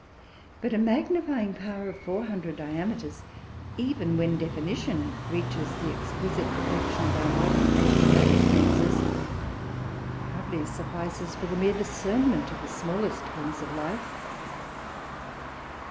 But a magnifying power of 400 diameters, even when definition reaches the exquisite perfection of our modern achromatic lenses, hardly suffices for the mere discernment of the smallest forms of life.